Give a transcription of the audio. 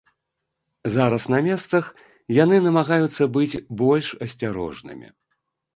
Зараз на месцах яны намагаюцца быць больш асцярожнымі.